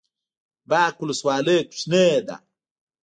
باک ولسوالۍ کوچنۍ ده؟